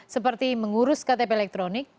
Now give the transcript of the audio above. seperti mengurus ktp elektronik